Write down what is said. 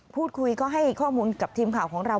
พูดคุยก็ให้ข้อมูลกับทีมข่าวของเรา